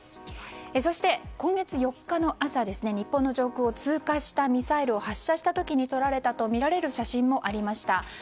そして、今月４日の朝日本の上空を通過したミサイルを発射した時に撮られたとみられる写真もありました。